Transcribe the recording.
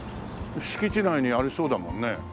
敷地内にありそうだもんね。